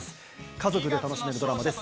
家族で楽しめるドラマです